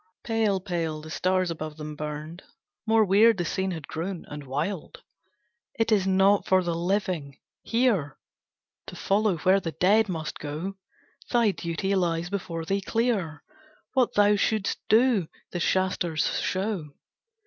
Pale, pale the stars above them burned, More weird the scene had grown and wild; "It is not for the living hear! To follow where the dead must go, Thy duty lies before thee clear, What thou shouldst do, the Shasters show.